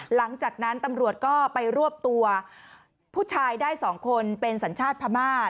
หลังจากนั้นตำรวจก็ไปรวบตัวผู้ชายได้๒คนเป็นสัญชาติพม่า